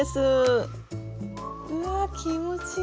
うわ気持ちいい。